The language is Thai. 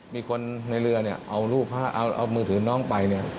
มีคนในเรือเนี่ยเอามือถือน้องไปเนี่ย